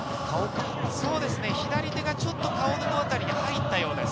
左手がちょっと顔の辺りに入ったようです。